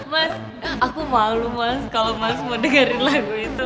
mas aku malu mas kalau mas mau dengerin lagu itu